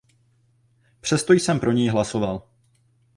Přesto jsem pro něj hlasoval.